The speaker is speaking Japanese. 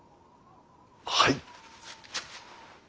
はい。